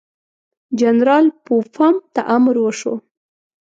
جنرال پوفم ته امر وشو.